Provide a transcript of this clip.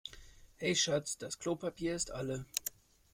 Hey Schatz, das Klopapier ist alle.